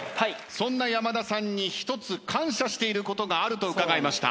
そんな山田さんに１つ感謝していることがあると伺いました。